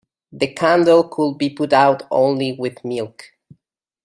The candle could be put out only with milk.